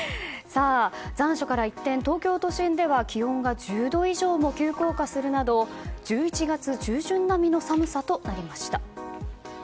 残暑から一転、東京都心では気温が１０度以上も急降下するなど１１月中旬並みの寒さとなりました。